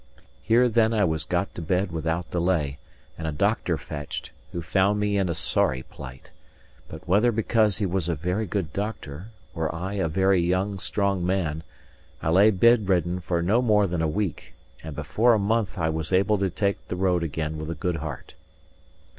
Here then I was got to bed without delay, and a doctor fetched, who found me in a sorry plight. But whether because he was a very good doctor, or I a very young, strong man, I lay bedridden for no more than a week, and before a month I was able to take the road again with a good heart.